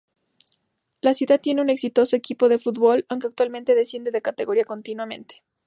La ciudad tiene un exitoso equipo de fútbol, aunque actualmente desciende de categoría continuamente.